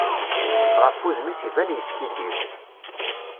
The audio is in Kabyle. Ɣef wudem-is iban yeskiddib.